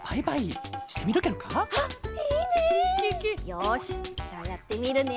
よしじゃあやってみるね！